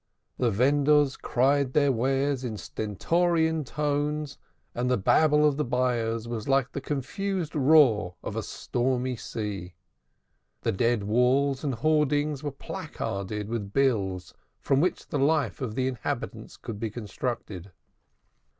The vendors cried their wares in stentorian tones, and the babble of the buyers was like the confused roar of a stormy sea. The dead walls and hoardings were placarded with bills from which the life of the inhabitants could be constructed.